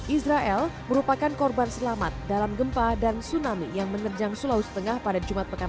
israel merupakan korban selamat dalam gempa dan tsunami yang menerjang sulawesi tengah pada jumat pekan